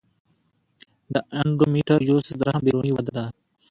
د انډومیټریوسس د رحم بیروني وده ده.